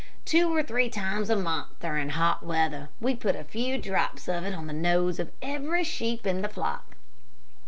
Two or three times a month during hot weather, we put a few drops of it on the nose of every sheep in the flock."